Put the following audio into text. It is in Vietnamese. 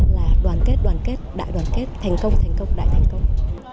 là đoàn kết đoàn kết đại đoàn kết thành công thành công đại thành công